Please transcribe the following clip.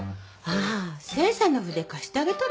あ清さんの筆貸してあげたら？